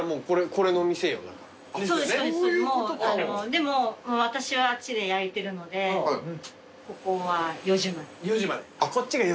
でも私はあっちで焼いてるのでここは４時まで。